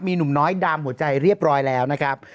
มีหนุ่มน้อยดามหัวใจเรียบร้อยแล้วนะครับ